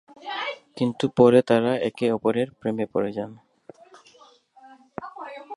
কিন্তু পরে তারা একে অপরের প্রেমে পড়ে।